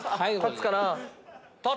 立つかなぁ。